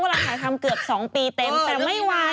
เขาไปเกาหลีมา